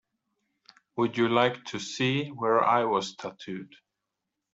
Would you like to see where I was tattooed?